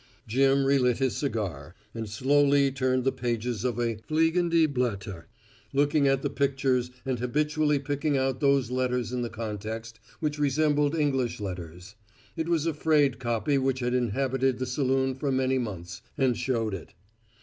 Jim relit his cigar and slowly turned the pages of a Fliegende Blätter, looking at the pictures and habitually picking out those letters in the text which resembled English letters. It was a frayed copy which had inhabited the saloon for many months, and showed it.